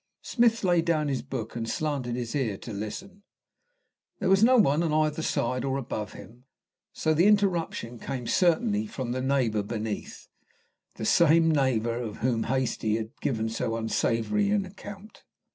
Smith laid down his book and slanted his ear to listen. There was no one on either side or above him, so that the interruption came certainly from the neighbour beneath the same neighbour of whom Hastie had given so unsavoury an account.